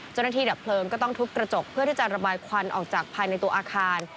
ดับเพลิงก็ต้องทุบกระจกเพื่อที่จะระบายควันออกจากภายในตัวอาคาร